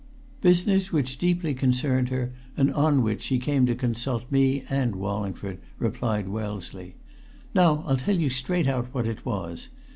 "Business which deeply concerned her, and on which she came to consult me and Wallingford," replied Wellesley. "Now I'll tell you straight out what it was.